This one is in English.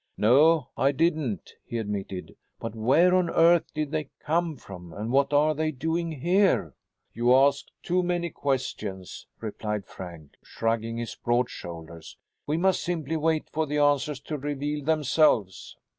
"No, I didn't," he admitted; "but where on earth did they come from, and what are they doing here?" "You ask too many questions," replied Frank, shrugging his broad shoulders. "We must simply wait for the answers to reveal themselves."